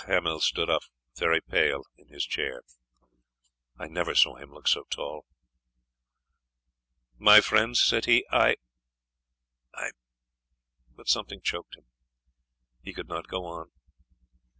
Hamel stood up, very pale, in his chair. I never saw him look so tall. "My friends," said he, "I I " But something choked him. He could not go on.